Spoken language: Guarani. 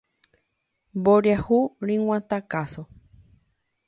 Mboriahu ryg̃uatã káso.